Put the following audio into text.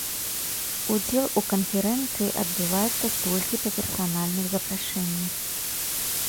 Удзел у канферэнцыі адбываецца толькі па персанальных запрашэннях.